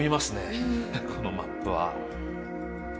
このマップは。